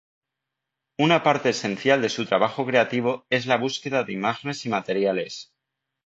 Una parte esencial de su trabajo creativo es la búsqueda de imágenes y materiales.